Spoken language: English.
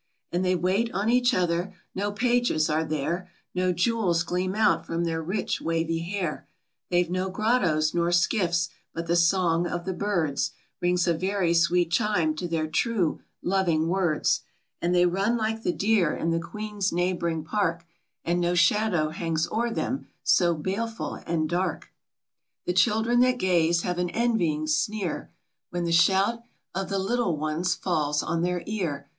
And they wait on each other ; no pages are there ; Yo jewels gleam out from their rich, wavy hair. They've no grottoes nor skiffs, but the song of the birds Rings a very sweet chime to their true, loving words ; And they run like the deer in the Queen's neigh boring park, And no shadow hangs o'er them, so baleful and dark. 56 QUEEN DISCONTENT. The children that gaze have an envying sneer, When the shout of the little ones falls on their ear.